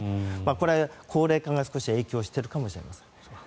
これは高齢化が少し影響しているかもしれません。